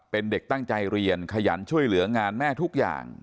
เป็นเด็กตั้งใจเรียนขยันช่วยเหลืองานแม่ทุกอย่าง